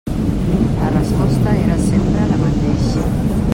La resposta era sempre la mateixa.